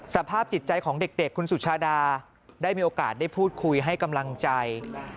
สภาพจิตใจของเด็กคุณสุชาดาได้มีโอกาสได้พูดคุยให้กำลังใจ